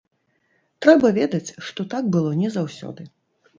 Трэба ведаць, што так было не заўсёды.